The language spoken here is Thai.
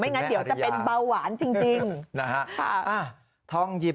ไม่งั้นเดี๋ยวจะเป็นเบาหวานจริง